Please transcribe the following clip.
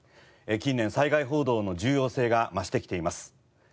近年災害報道の重要性が増してきています。